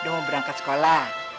udah mau berangkat sekolah